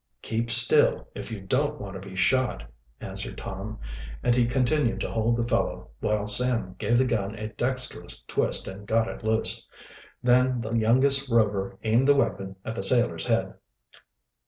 "Keep still, if you don't want to be shot," answered Tom. And he continued to hold the fellow, while Sam gave the gun a dexterous twist and got it loose. Then the youngest Rover aimed the weapon at the sailor's head.